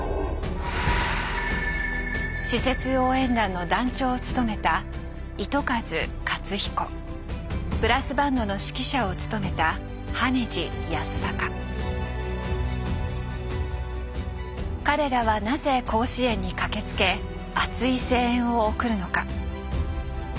私設応援団の団長を務めたブラスバンドの指揮者を務めた彼らはなぜ甲子園に駆けつけ熱い声援を送るのか。